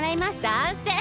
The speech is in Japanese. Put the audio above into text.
さんせい！